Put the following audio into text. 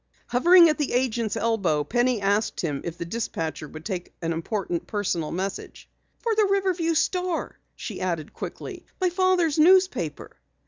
Hovering at the agent's elbow, Penny asked him if the dispatcher would take an important personal message. "For the Riverview Star," she added quickly. "My father's newspaper."